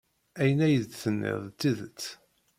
Ayen ay d-tenniḍ d tidet.